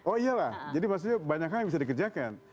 oh iya lah jadi maksudnya banyak hal yang bisa dikerjakan